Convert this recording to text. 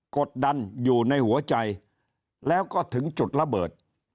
กดดันอยู่ในหัวใจแล้วก็ถึงจุดระเบิด